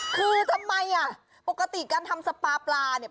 คือทำไมอ่ะปกติการทำสปาปลาเนี่ย